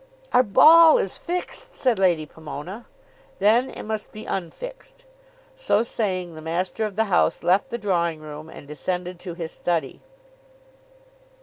"Our ball is fixed," said Lady Pomona. "Then it must be unfixed." So saying, the master of the house left the drawing room and descended to his study.